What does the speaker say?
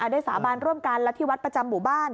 ด้วยสาบานร่วมกันและที่วัดประจำบุบัน